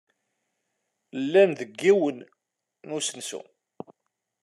Llan deg yiwen n usensu.